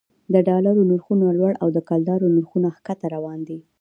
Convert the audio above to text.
د ډالرو نرخونه لوړ او د کلدارو نرخونه ښکته روان دي